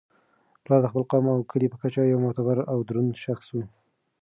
پلار د خپل قوم او کلي په کچه یو معتبر او دروند شخص وي.